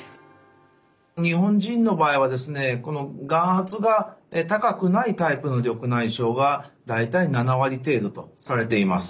日本人の場合はこの眼圧が高くないタイプの緑内障が大体７割程度とされています。